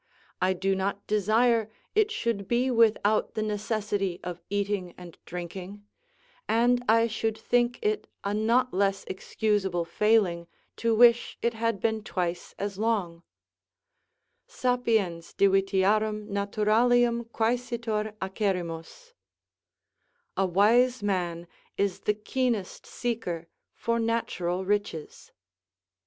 I do not desire it should be without the necessity of eating and drinking; and I should think it a not less excusable failing to wish it had been twice as long; "Sapiens divitiarum naturalium quaesitor acerrimus:" ["A wise man is the keenest seeker for natural riches."